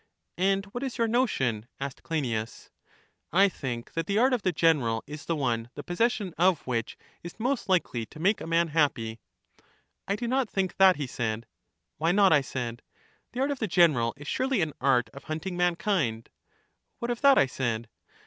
And what is your notion? asked Cleinias. I think that the art of the general is the one the possession of which is most likely to make a man happy. I do not think that, he said. Why not? I said. The art of the general is surely an art of hunting mankind. What of that? I said.